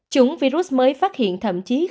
chủng virus mới phát hiện thậm chí không